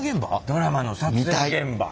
ドラマの撮影現場。